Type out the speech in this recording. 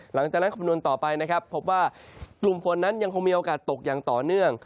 คำนวณต่อไปนะครับพบว่ากลุ่มฝนนั้นยังคงมีโอกาสตกอย่างต่อเนื่อง